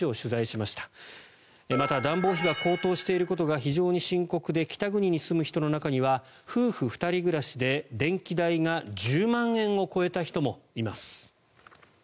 また、暖房費が高騰していることが非常に深刻で北国に住む人の中には夫婦２人暮らしで電気代が１０万円を超えた人もいます。